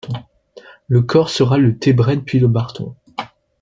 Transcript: Le core sera le T-Bred puis le Barton.